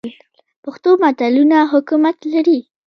پښتو متلونه حکمت لري